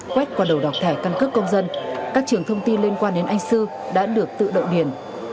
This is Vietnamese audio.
quét qua đầu độc thẻ căn cước công dân các trường thông tin liên quan đến anh sư đã được tự động điền